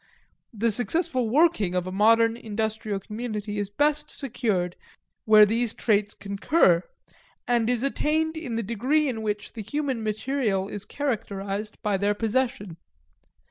The successful working of a modern industrial community is best secured where these traits concur, and it is attained in the degree in which the human material is characterized by their possession.